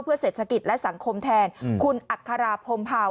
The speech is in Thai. เพื่อเศรษฐกิจและสังคมแทนคุณอัคราพรมเผา